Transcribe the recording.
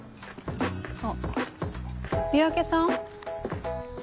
あっ三宅さん？